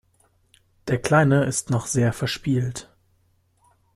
Der Kleine ist noch sehr verspielt.